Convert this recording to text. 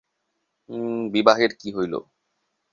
বিবাহের কী হইল?